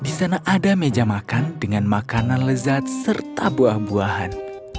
di sana ada meja makan dengan makanan lezat serta buah buahan